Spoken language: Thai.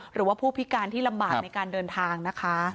หรือว่าผู้พิการที่ลำบากในการเดินทางนะคะ